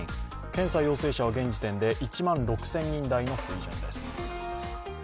検査陽性者は現時点で１万６０００人台の水準です。